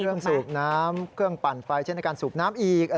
สูบน้ำเครื่องปั่นไฟเช่นในการสูบน้ำอีก